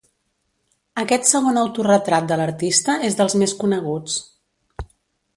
Aquest segon autoretrat de l'artista és dels més coneguts.